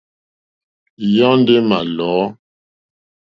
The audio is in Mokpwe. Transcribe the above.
Yɔ́ndɔ̀ é mà lɔ̌.